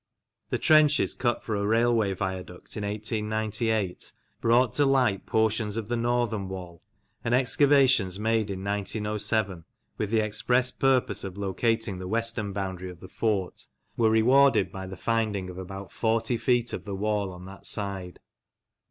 The trenches cut for a railway viaduct in 1898 brought to light portions of the northern wall, and excavations made in 1907 with the express purpose of locating the western boundary of the fort were rewarded by the finding of about forty feet of the wall on that side.